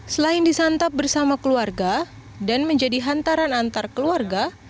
selain disantap bersama keluarga dan menjadi hantaran antar keluarga